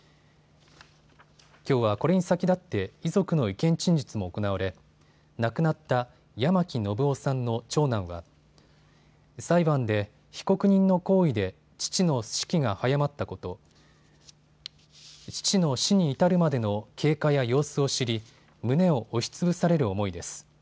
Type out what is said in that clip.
きょうはこれに先立って遺族の意見陳述も行われ亡くなった八巻信雄さんの長男は裁判で被告人の行為で父の死期が早まったこと、父の死に至るまでの経過や様子を知り胸を押しつぶされる思いです。